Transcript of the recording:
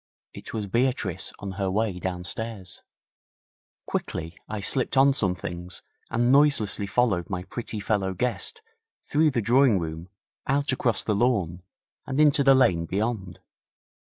It was Beatrice on her way downstairs. Quickly I slipped on some things and noiselessly followed my pretty fellow guest through the drawing room out across the lawn and into the lane beyond.